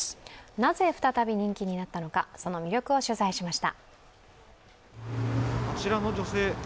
なぜ再び人気になったのかその魅力を取材しました。